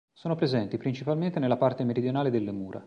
Sono presenti principalmente nella parte meridionale delle mura.